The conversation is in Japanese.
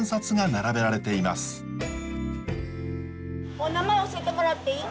お名前教えてもらっていい？